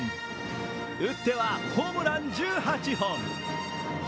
打ってはホームラン１８本。